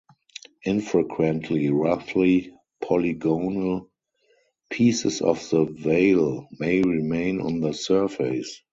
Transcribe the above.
Infrequently, roughly polygonal pieces of the veil may remain on the surface.